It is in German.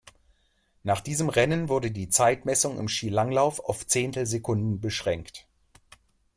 Nach diesem Rennen wurde die Zeitmessung im Skilanglauf auf Zehntelsekunden beschränkt.